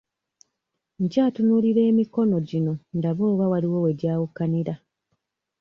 Nkyatunuulira emikono gino ndabe oba waliwo we gyawukanira.